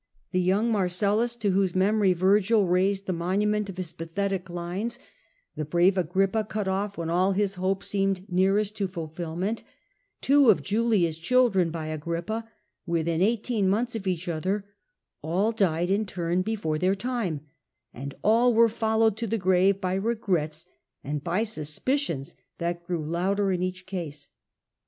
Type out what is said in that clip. The young Marcellus, to whose memory Vergil raised the monument of his pathetic lines ; the brave Agrippa, cut off when all his hopes seemed nearest to ful filment; two of Julia's children by Agrippa, within eighteen months of each other ; all died in turn before their time, and all w'ere followed to the grave by regrets and by suspicions that grew louder in each case.